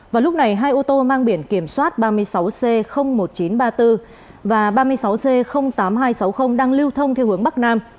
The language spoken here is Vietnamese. vào lúc này hai ô tô mang biển kiểm soát ba mươi sáu c một nghìn chín trăm ba mươi bốn và ba mươi sáu c tám nghìn hai trăm sáu mươi đang lưu thông theo hướng bắc nam